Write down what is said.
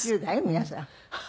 皆さん。